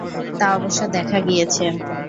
তা অবশ্য দেখা গিয়েছে।